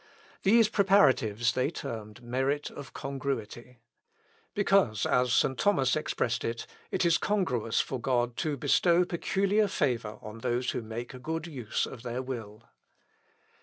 These preparatives they termed merit of congruity; "because," as St. Thomas expressed it, "it is congruous for God to bestow peculiar favour on those who make a good use of their will."